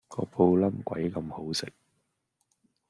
個布冧鬼咁好食